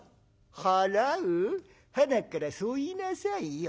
「払う？はなっからそう言いなさいよ。